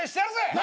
何！？